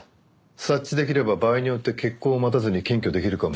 察知できれば場合によって決行を待たずに検挙できるかもしれない。